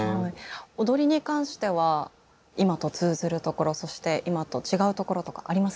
踊りに関しては今と通ずるところそして今と違うところとかありますか？